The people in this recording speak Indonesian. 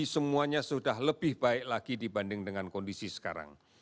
semuanya sudah lebih baik lagi dibanding dengan kondisi sekarang